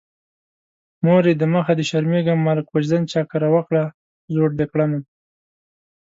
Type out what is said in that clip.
مورې د مخه دې شرمېږم ماله کوژدن چا کره وکړه زوړ دې کړمه